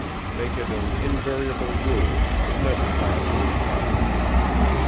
Make it an invariable rule never to be beaten by him.